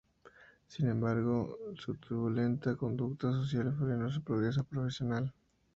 Sin embargo, su turbulenta conducta social frenó su progreso profesional.